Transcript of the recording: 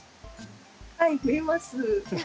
はいふえます。